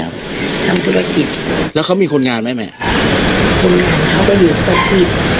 ทำธุรกิจแล้วเขามีคนงานไหมแม่คนงานเขาก็อยู่ครบที่